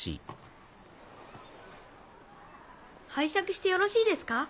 拝借してよろしいですか？